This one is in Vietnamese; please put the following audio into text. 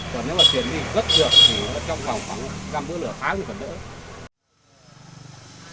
rất trượt thì trong vòng khoảng trăm bữa lửa tháng thì còn đỡ